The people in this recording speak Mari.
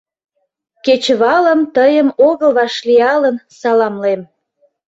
Кечывалым тыйым огыл вашлиялын, саламлем.